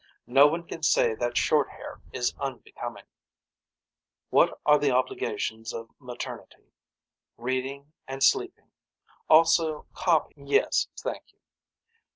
No one can say that short hair is unbecoming. What are the obligations of maternity. Reading and sleeping. Also copying. Yes thank you.